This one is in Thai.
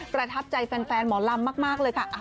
ประทับใจแฟนหมอลำมากเลยค่ะ